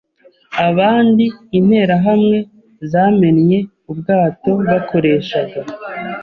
abandi Interahamwe zamennye ubwato bakoreshaga